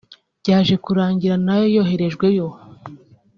Byaje kurangira nayo yoherejweyo